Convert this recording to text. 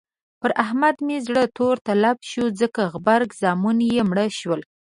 پر احمد مې زړه تور تلب شو ځکه غبر زامن يې مړه شول.